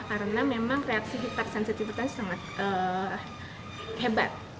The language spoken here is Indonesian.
karena memang reaksi hipersensitif itu sangat hebat